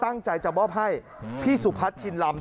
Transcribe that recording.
ตั้งใจจะบอบให้พิศุพรรษชินลำ